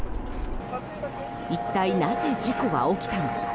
一体なぜ事故は起きたのか。